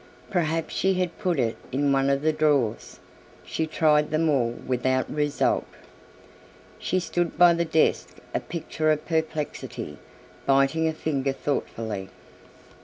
Perhaps she had put it in one of the drawers. She tried them all without result. She stood by the desk a picture of perplexity, biting a finger thoughtfully.